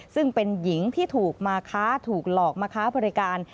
ซึ่งเป็นหญิงที่ถูกมาค้าถูกหลอกมาค้าบริการ